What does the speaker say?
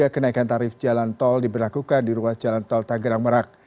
kenaikan tarif jalan tol diberlakukan di ruas jalan tol tangerang merak